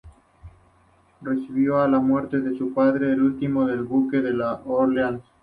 Recibió, a la muerte de su padre, el título de duque de Orleans.